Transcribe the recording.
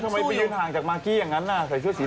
เข้ามาอยู่ที่บดฝ่ายไม้ได้ไงเองท์จี